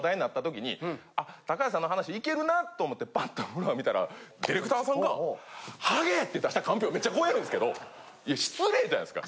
高橋さんの話いけるなと思ってパッとフロア見たらディレクターさんが「ハゲ」って出したカンペをめっちゃこうやるんですけどいや失礼じゃないですか